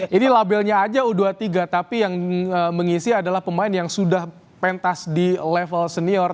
ini labelnya aja u dua puluh tiga tapi yang mengisi adalah pemain yang sudah pentas di level senior